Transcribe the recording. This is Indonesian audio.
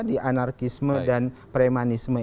di anarkisme dan premanisme